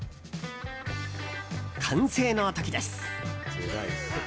完成の時です。